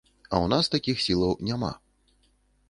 А ў нас такіх сілаў няма.